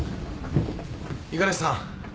五十嵐さん。